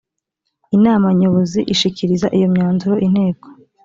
inama nyobozi ishikiriza iyo myanzuro inteko